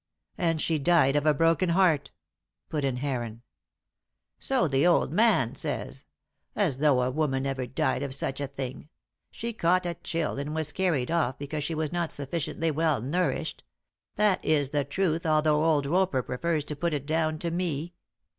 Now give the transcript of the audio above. "And she died of a broken heart," put in Heron. "So the old man says. As though a woman ever died of such a thing! She caught a chill, and was carried off because she was not sufficiently well nourished; that is the truth, although old Roper prefers to put it down to me.